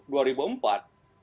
dengan pemilu dua ribu empat